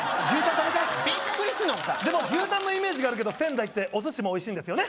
食べたいビックリするな奥さんでも牛タンのイメージがあるけど仙台ってお寿司もおいしいんですよね